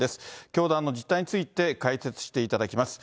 教団の実態について解説していただきます。